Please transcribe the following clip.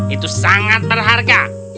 itu sangat berharga